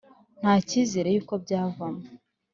ntacyizere yuko byavamo